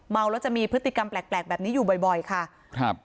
เมาแล้วจะมีพฤติกรรมแปลกแปลกแบบนี้อยู่บ่อยบ่อยค่ะครับ